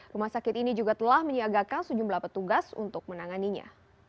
rumah sakit ini juga telah menyiagakan sejumlah petugas untuk menanganinya